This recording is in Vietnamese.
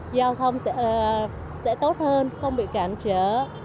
giao thông sẽ tốt hơn không bị cản trở